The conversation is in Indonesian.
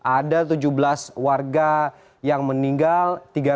ada tujuh belas warga yang meninggal